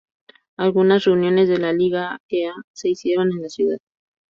Algunas reuniones de la Liga Aquea se hicieron en la ciudad.